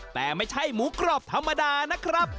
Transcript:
แต่ไม่ใช่หมูกรอบธรรมดานะครับ